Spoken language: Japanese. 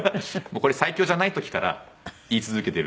これ最強じゃない時から言い続けてるんですね。